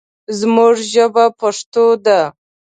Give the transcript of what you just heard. زموږ ژبه پښتو ده.